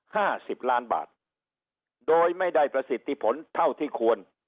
ห้าสิบล้านบาทโดยไม่ได้ประสิทธิผลเท่าที่ควร